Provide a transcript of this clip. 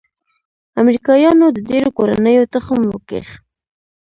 امریکايانو د ډېرو کورنيو تخم وکيښ.